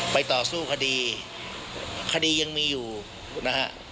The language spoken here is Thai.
ต่อสู้คดีคดียังมีอยู่นะฮะ